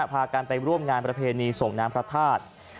พากันไปร่วมงานประเพณีส่งน้ำพระธาตุ